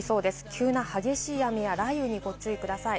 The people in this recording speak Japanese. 急な激しい雨や雷雨にご注意ください。